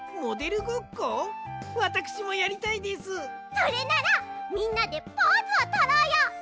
それならみんなでポーズをとろうよ！